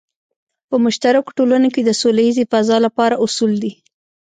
په مشترکو ټولنو کې د سوله ییزې فضا لپاره اصول دی.